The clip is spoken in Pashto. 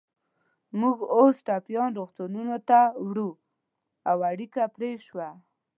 موږ اوس ټپیان روغتونونو ته وړو، او اړیکه پرې شوه.